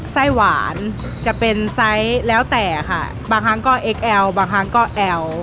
ไส้หวานจะเป็นไซส์แล้วแต่ค่ะบางครั้งก็เอ็กแอลบางครั้งก็แอล